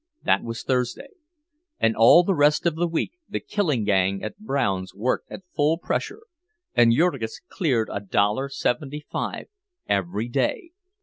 That was Thursday; and all the rest of the week the killing gang at Brown's worked at full pressure, and Jurgis cleared a dollar seventy five every day.